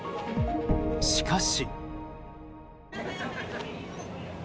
しかし。